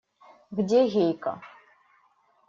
Где Гейка?